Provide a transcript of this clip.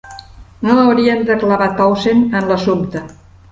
No hauríem de clavar Townsend en l'assumpte.